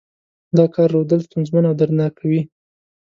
دا کار رودل ستونزمن او دردناک کوي.